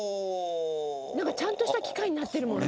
「なんかちゃんとした機械になってるもんね」